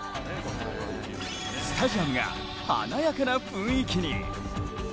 スタジアムが華やかな雰囲気に。